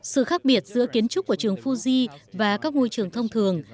sự khác biệt giữa kiến trúc của trường fuji và các ngôi trường thông thường